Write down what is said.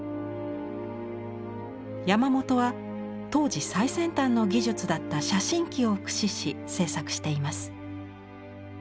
山元は当時最先端の技術だった写真機を駆使し制作しています。